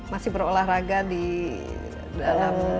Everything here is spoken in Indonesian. masih berolahraga di dalam